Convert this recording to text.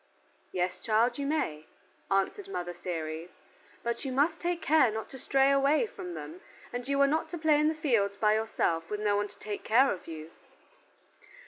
"Yes, child, you may," answered Mother Ceres, "but you must take care not to stray away from them, and you are not to play in the fields by yourself with no one to take care of you."